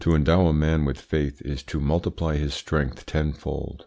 To endow a man with faith is to multiply his strength tenfold.